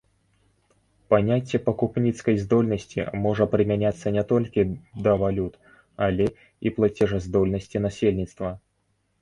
Паняцце пакупніцкай здольнасці можа прымяняцца не толькі да валют, але і плацежаздольнасці насельніцтва.